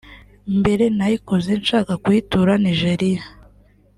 mbere nayikoze nshaka kuyitura Nigeria